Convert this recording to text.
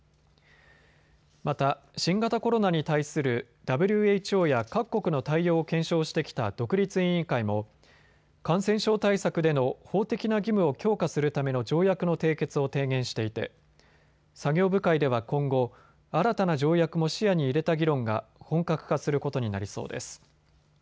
また新型コロナに対するＷＨＯや各国の対応を検証してきた独立委員会も感染症対策での法的な義務を強化するための条約の締結を提言していて作業部会では今後、新たな条約も視野に入れた議論が本格化することになりそうです。